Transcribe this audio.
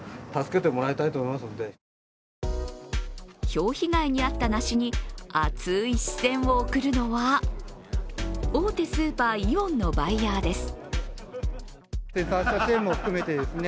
ひょう被害に遭った梨に熱い視線を送るのは大手スーパー、イオンのバイヤーです。